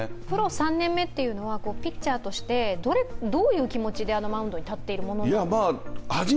プロ３年目というのはピッチャーとしてどういう気持ちであのマウンドに立っているものなんですか。